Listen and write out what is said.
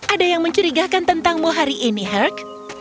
ada yang mencurigakan tentangmu hari ini herk